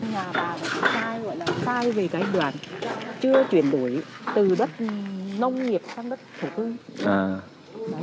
nhà bà đã sai về cái đoạn chưa chuyển đổi từ đất nông nghiệp sang đất thủ tư